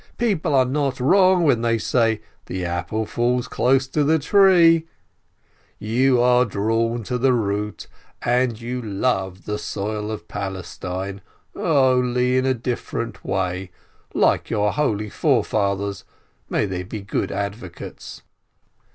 People are not wrong when they say, 'The apple falls close to the tree'! You are EAETH OF PALESTINE 41 drawn to the root, and you love the soil of Palestine, only in a different way, like your holy forefathers, may they be good advocates